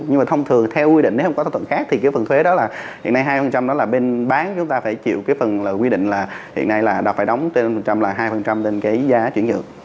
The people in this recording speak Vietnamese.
nhưng mà thông thường theo quy định nếu không có thỏa thuận khác thì cái phần thuế đó là hiện nay hai đó là bên bán chúng ta phải chịu cái phần quy định là hiện nay là đọc phải đóng trên năm là hai trên cái giá chuyển nhượng